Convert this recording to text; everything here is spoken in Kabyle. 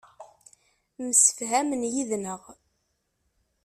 Msefhamen yid-neɣ.